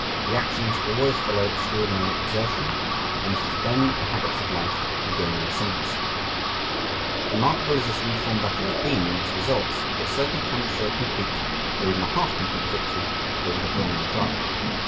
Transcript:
Reaction must always follow extraordinary exertion, and it is then that the habits of life regain their ascendency. Remarkable as this reform battle has been in its results, it certainly cannot show a complete, or even a half complete, victory over the brown drug.